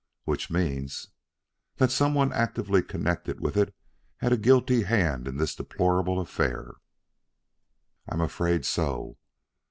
"Which means " "That some one actively connected with it had a guilty hand in this deplorable affair." "I am afraid so."